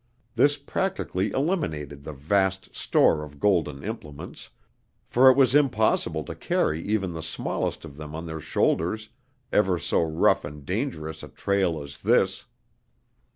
This practically eliminated the vast store of golden implements, for it was impossible to carry even the smallest of them on their shoulders over so rough and dangerous a trail as this.